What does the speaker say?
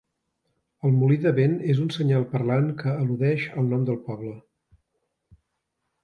El molí de vent és un senyal parlant que al·ludeix al nom del poble.